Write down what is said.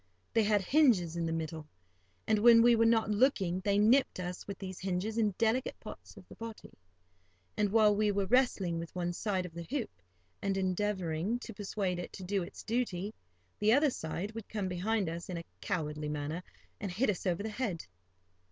They had hinges in the middle, and, when we were not looking, they nipped us with these hinges in delicate parts of the body; and, while we were wrestling with one side of the hoop, and endeavouring to persuade it to do its duty, the other side would come behind us in a cowardly manner, and hit us over the head.